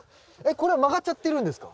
これ曲がっちゃってるんですか？